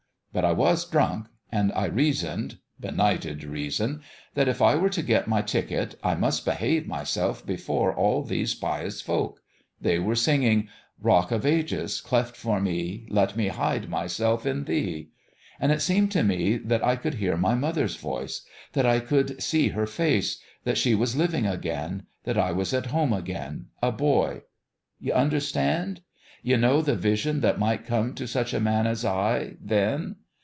But I was drunk ; and I reasoned benighted reason ! that if I were to get my ticket I must behave my self before all these pious folk. They were singing, "' Rock of Ages, cleft for me, Let me hide myself in Thee ...' and it seemed to me that I could hear my moth er's voice, that I could see her face, that she was living again, that I was at home again, a boy. ... You understand ? You know the vision that might come to such a man as I then?